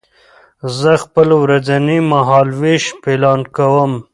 زه خپل ورځنی مهالوېش پلان کوم.